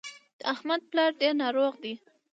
د احمد پلار ډېر ناروغ دی.